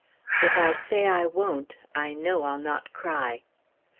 _ If I say I Won't, I know I'll not cry.